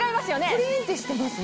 プリンってしてますね。